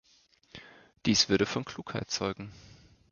Dies würde von Klugheit zeugen.